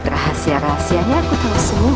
rahasia rahasianya aku tahu semua